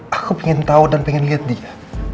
hai aku pengen tahu dan pengen lihat dia